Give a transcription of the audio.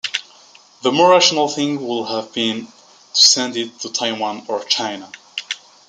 The more rational thing would have been to send it to Taiwan or China.